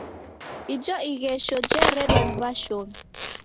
Ijo ighesho jeredwa ni w'ashomi.